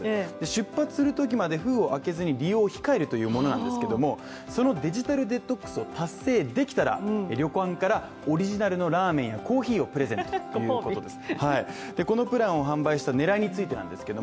出発するときまで封を開けずに利用を控えるというものなんですけどもそのデジタルデトックスを達成できたら、旅館から、オリジナルのラーメンやコーヒーをプレゼントということです。